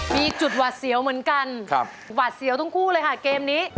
มีจุดหวาดเสียวเหมือนกันหวาดเสียวทั้งคู่เลยค่ะเกมนี้